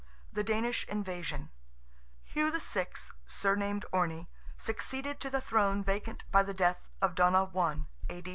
THE DANISH INVASION. Hugh VI., surnamed Ornie, succeeded to the throne vacant by the death of Donogh I.